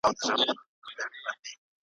له منظور پښتین سره `